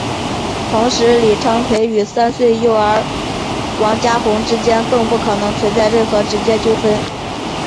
同时李昌奎与三岁幼儿王家红之间更不可能存在任何直接纠纷。